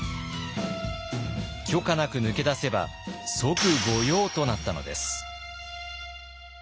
許可なく抜け出せば即御用となったのです。